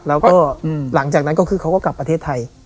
แล้วก็หลังจากนั้นก็คือเขาก็กลับประเทศไทย